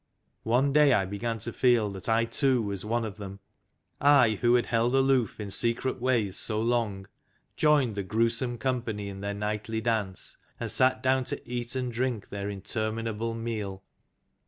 One day I began to feel that I too was one of them I, who had held aloof in secret ways so long, joined the gruesome company in their nightly dance, and sat down to eat and drink their interminable meal.